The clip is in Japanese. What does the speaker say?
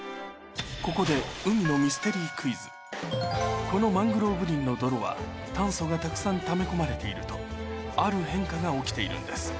ここでこのマングローブ林の泥は炭素がたくさんため込まれているとある変化が起きているんです